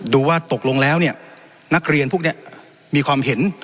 ดูว่าตกลงแล้วเนี่ยนักเรียนพวกนี้มีความเห็น